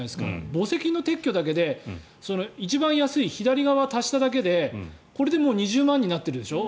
墓石の撤去だけで一番安い左側を足しただけでこれでもう２０万になってるでしょ